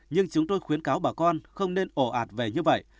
nhưng chúng tôi khuyến cáo bà con không nên ổ ạt về như vậy